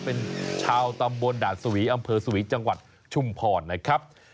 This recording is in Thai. เป็นชาวตำบลด่านสวีอำเภอสวีจังหวัดชุมพรนะครับ